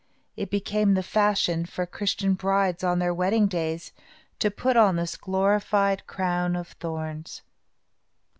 It became the fashion for Christian brides, on their wedding days, to put on this glorified crown of thorns.